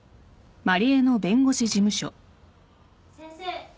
・・先生